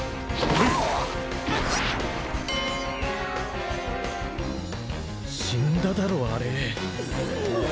うぐっ死んだだろあれおおっ！